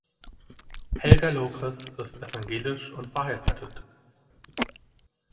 Helga Lopez ist evangelisch und verheiratet.